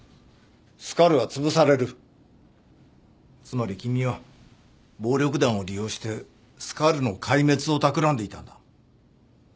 つまり君は暴力団を利用してスカルの壊滅をたくらんでいたんだ。